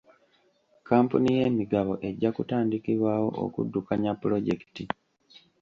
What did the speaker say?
Kampuni y'emigabo ejja kutandikibwawo okuddukanya pulojekiti.